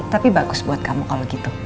tapi bagus buat kamu kalau gitu